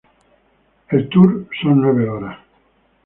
El tur son nueve horas.